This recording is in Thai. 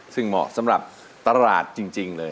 ซึ่งเหมาะสำหรับตลาดจริงเลย